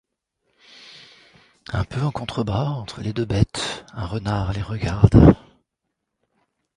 Un peu en contrebas, entre les deux bêtes, un renard les regarde.